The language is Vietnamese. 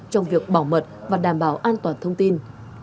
trong việc bảo mật và đảm bảo an toàn thông tin